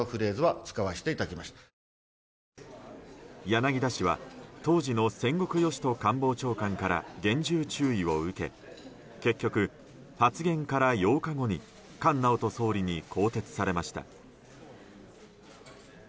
柳田氏は当時の仙谷由人官房長官から厳重注意を受け結局、発言から８日後に菅直人総理に更迭されました。